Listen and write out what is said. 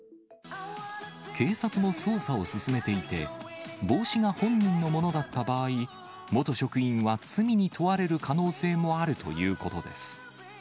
警察も捜査を進めていて、帽子が本人のものだった場合、元職員は罪に問われる可能性もあるということです。